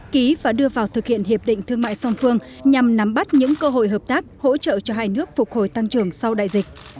ký và đưa vào thực hiện hiệp định thương mại song phương nhằm nắm bắt những cơ hội hợp tác hỗ trợ cho hai nước phục hồi tăng trưởng sau đại dịch